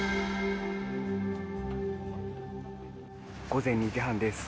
午前２時半です。